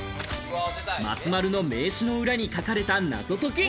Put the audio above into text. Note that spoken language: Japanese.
松丸の名刺の裏に書かれた謎解き。